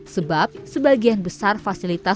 sebab sebagian besar fasilitasnya di palu ini